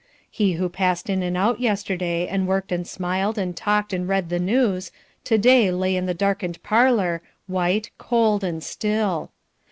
He who passed in and out yesterday, and worked and smiled and talked and read the news, to day lay in the darkened parlour white, cold, and still.